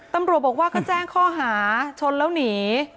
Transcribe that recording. ตำรวจบอกว่าก็แจ้งข้อหาชนแล้วหนี